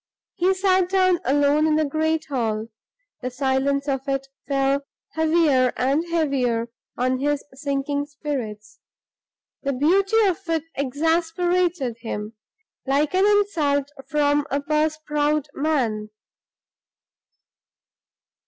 He sat down alone in the great hall; the silence of it fell heavier and heavier on his sinking spirits; the beauty of it exasperated him, like an insult from a purse proud man.